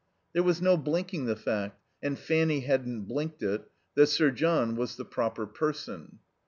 There was no blinking the fact, and Fanny hadn't blinked it, that Sir John was the proper person.